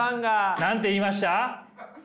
何て言いました？